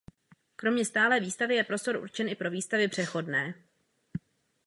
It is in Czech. Kromě stálé výstavy je prostor určen i pro výstavy přechodné.